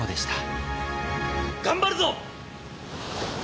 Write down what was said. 頑張るぞ！